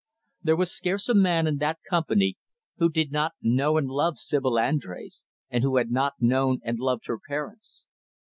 There was scarce a man in that company, who did not know and love Sibyl Andrés, and who had not known and loved her parents.